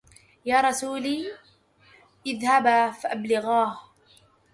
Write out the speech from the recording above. يا رسولي اذهبا فأبلغاها